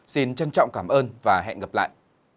xin trân trọng cảm ơn và hẹn gặp lại